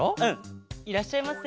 いらっしゃいませ。